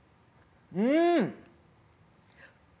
うん！